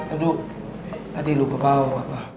aduh tadi lupa bawa bapak